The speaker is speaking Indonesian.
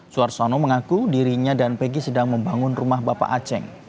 suarsono mengaku dirinya dan pegg sedang membangun rumah bapak aceh